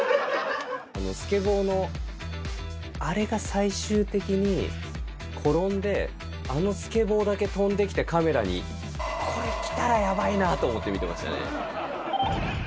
スケボーのあれが最終的に転んで、あのスケボーだけ飛んできてカメラに、これ来たらやばいなと思って見てましたね。